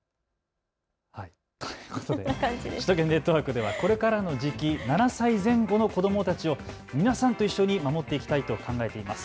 首都圏ネットワークではこれからの時期、７歳前後の子どもたちを皆さんと一緒に守っていきたいと考えています。